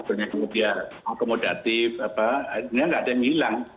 sebenarnya kalau dia akomodatif apa sebenarnya tidak ada yang hilang